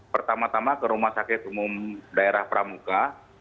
pertama tama ke rumah sakit umum daerah pramuka